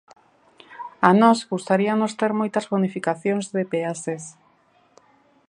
A nós gustaríanos ter moitas bonificacións de peaxes.